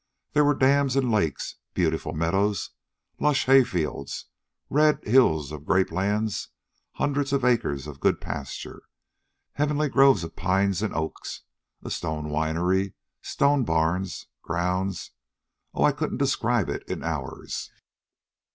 There were dams and lakes, beautiful meadows, lush hayfields, red hills of grape lands, hundreds of acres of good pasture, heavenly groves of pines and oaks, a stone winery, stone barns, grounds oh, I couldn't describe it in hours.